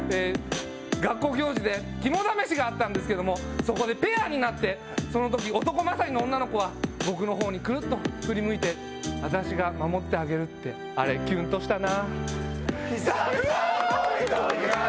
学校行事で肝試しがあったんですけどもそこでペアになって、そのとき男勝りの女の子は、僕の方にくるっと振り向いて、私が守ってあげるってあれ、キュンとしたな。